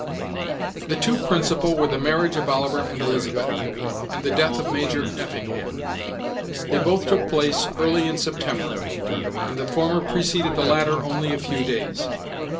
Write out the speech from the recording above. The two principal were the marriage of Oliver and Elizabeth, and the death of Major Effingham. They both took place early in September; and the former preceded the latter only a few days.